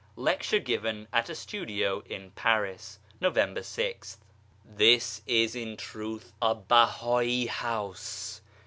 LECTURE GIVEN AT A STUDIO IN PARIS November 6th. TPHIS is in truth a Bahai House.